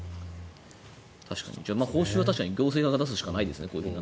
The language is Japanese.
報酬は確かにそうしたら行政が出すしかないですね。